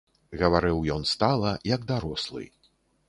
Гаварыў ён стала, як дарослы.